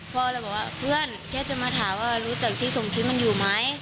พ่อเลยบอกว่าเพื่อนแค่จะมาถามว่ารู้จักที่ส่งคลิปมันอยู่ไหม